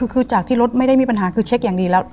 คือจากที่รถไม่ได้มีปัญหาคือเช็คอย่างดีแล้ว